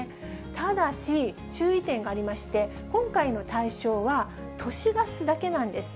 ただし、注意点がありまして、今回の対象は都市ガスだけなんです。